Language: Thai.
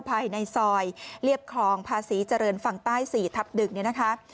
ภายในซอยเรียบคลองภาษีเจริญฝั่งใต้๔ทับ๑เนี่ยนะคะ